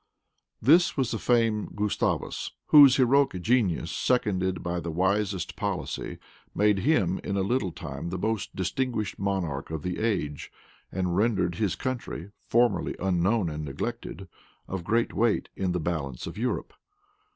This was the famed Gustavus, whose heroic genius, seconded by the wisest policy, made him in a little time the most distinguished monarch of the age, and rendered his country, formerly unknown and neglected, of great weight in the balance of Europe.